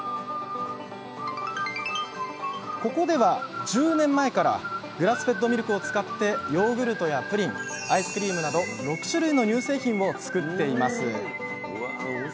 ここでは１０年前からグラスフェッドミルクを使ってヨーグルトやプリンアイスクリームなど６種類の乳製品を作っていますうわ